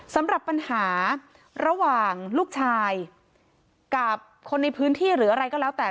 สำหรับปัญหาระหว่างลูกชายกับคนในพื้นที่หรืออะไรก็แล้วแต่